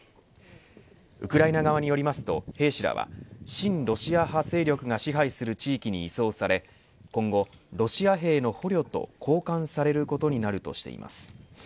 ウクライナ側によりますと兵士らは親ロシア派勢力が東部地域に占領され今後ロシア兵の捕虜と交換されることになるとしています。